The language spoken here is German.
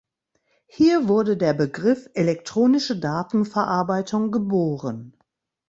Hier wurde der Begriff elektronische Datenverarbeitung geboren.